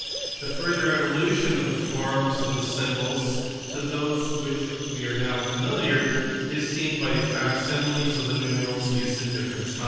The further evolution of the forms of the symbols to those with which we are familiar is indicated below by facsimiles* of the numerals used at diffe rent times.